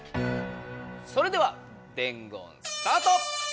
それでは伝言スタート！